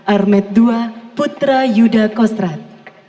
armed dua putra yuda kostrat